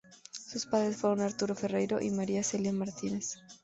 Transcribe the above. Sus padres fueron Arturo Ferreiro y María Celia Martínez.